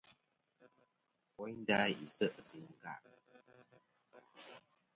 Woynda, yi se' sɨ ɨnka.